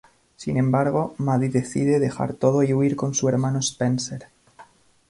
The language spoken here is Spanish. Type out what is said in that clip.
Sin embargo Maddy decide dejar todo y huir con su hermano Spencer.